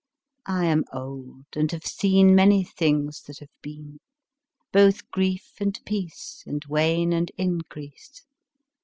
I am old and have seen Many things that have been; Both grief and peace And wane and increase.